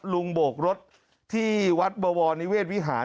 โบกรถที่วัดบวรนิเวศวิหาร